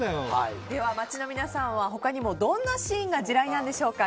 街の皆さんは他にもどんなシーンが地雷なんでしょうか。